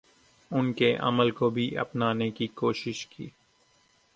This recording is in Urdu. ان کے عمل کو بھی اپنانے کی کوشش کی